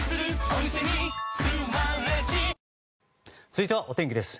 続いてはお天気です。